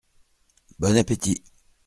Bon appétit !